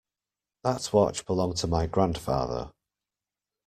That watch belonged to my grandfather.